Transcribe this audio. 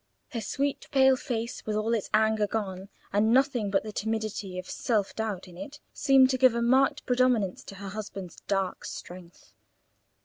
Her sweet pale face; with all its anger gone and nothing but the timidity of self doubt in it, seemed to give a marked predominance to her husband's dark strength.